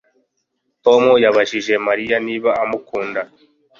Tom yabajije Mariya niba amukunda